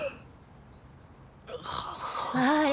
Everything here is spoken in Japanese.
あれ？